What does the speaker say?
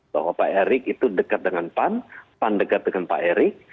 bahwa pak erik itu dekat dengan pan pan dekat dengan pak erik